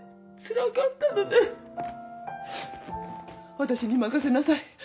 私に任せなさい。